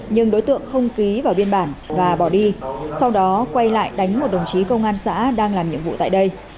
nhưng đối tượng không ký vào biên bản và bỏ đi sau đó quay lại đánh một đồng chí công an xã đang làm nhiệm vụ tại đây